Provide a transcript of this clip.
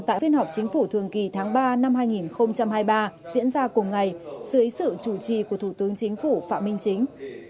tại phiên họp chính phủ thường kỳ tháng ba năm hai nghìn hai mươi ba diễn ra cùng ngày dưới sự chủ trì của thủ tướng chính phủ phạm minh chính